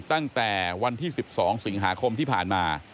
ตั้งแต่วันที่๑๒สิงหาคมที่ผ่านมา